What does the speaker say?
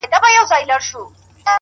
پوه انسان د حقیقت ارزښت درک کوي.!